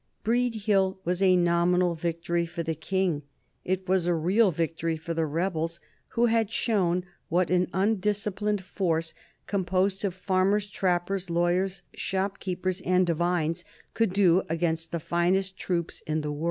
Breed Hill was a nominal victory for the King; it was a real victory for the rebels, who had shown what an undisciplined force, composed of farmers, trappers, lawyers, shopkeepers, and divines, could do against the finest troops in the world.